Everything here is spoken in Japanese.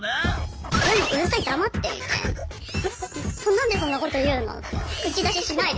何でそんなこと言うの？